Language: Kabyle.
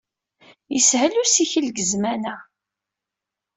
Yeshel usikel deg zzman-a.